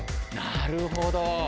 なるほど！